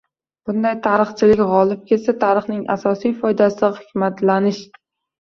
Bunday «tarixchilik» g‘olib kelsa tarixning asosiy foydasi — hikmatlanish